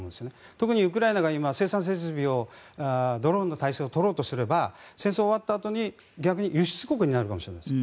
特にウクライナが今、生産設備をドローンの体制を取ろうとすれば戦争が終わったあとに、逆に輸出国になるかもしれません。